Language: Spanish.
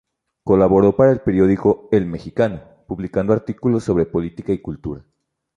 Colaboró para el periódico "El Mexicano" publicando artículos sobre política y cultura.